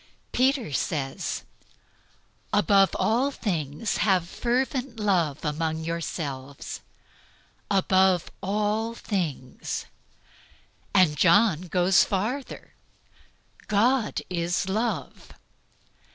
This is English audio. Peter says, "Above all things have fervent love among yourselves." Above all things. And John goes farther, "God is love."